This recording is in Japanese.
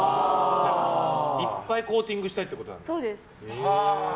いっぱいコーティングしたいってことなんだ。